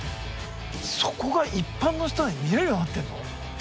そこが一般の人に見れるようになってるの？